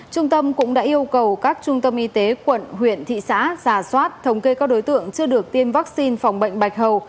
trung tâm cũng đã yêu cầu các trung tâm y tế quận huyện thị xã giả soát thống kê các đối tượng chưa được tiêm vaccine phòng bệnh bạch hầu